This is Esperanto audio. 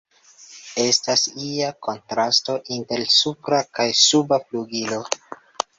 Estas ia kontrasto inter supra kaj suba flugilo.